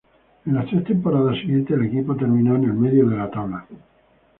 En las tres temporadas siguientes, el equipo terminó en el medio de la tabla.